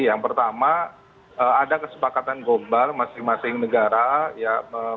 yang pertama ada kesepakatan gombal masing masing negara